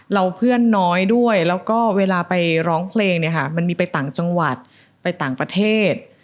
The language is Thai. เพื่อนน้อยด้วยแล้วก็เวลาไปร้องเพลงเนี่ยค่ะมันมีไปต่างจังหวัดไปต่างประเทศ